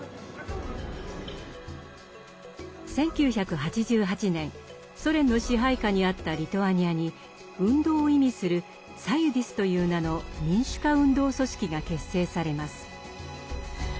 １９８８年ソ連の支配下にあったリトアニアに「運動」を意味する「サユディス」という名の民主化運動組織が結成されます。